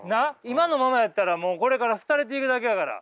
今のままやったらもうこれから廃れていくだけやから。